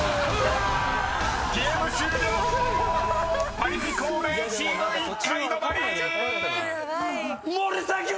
［パリピ孔明チーム１階止まり！］